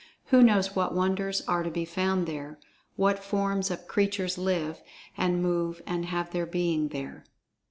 Who knows what wonders are to be found there—what forms of creatures live, and move and have their being there.